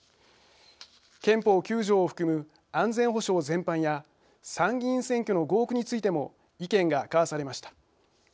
憲法９条を含む安全保障全般や参議院選挙の合区についても意見が交わされました。